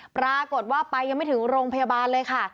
ปรากฏว่าไปยังไม่ถึงโรงพยาบาลเลยค่ะ